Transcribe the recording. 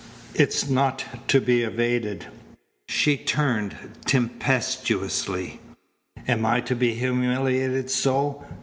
It's not to be evaded." She turned tempestuously. "Am I to be humiliated so?